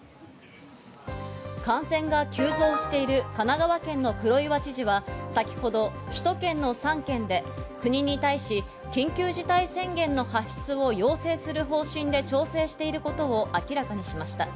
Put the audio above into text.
感染が急増している神奈川県の黒岩知事は先ほど、首都圏の３県で国に対し、緊急事態宣言の発出を要請する方針で調整していることを明らかにしました。